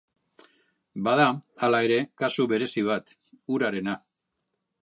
Bada, hala ere, kasu berezi bat: urarena.